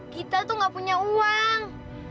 kita tuh gak punya uang